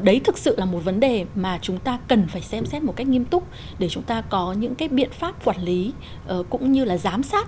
đấy thực sự là một vấn đề mà chúng ta cần phải xem xét một cách nghiêm túc để chúng ta có những cái biện pháp quản lý cũng như là giám sát